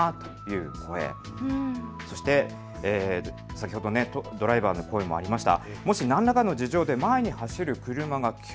先ほどドライバーの声もありました。